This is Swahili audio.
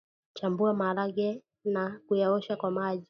Chambua maharage na kuyaosha kwa maji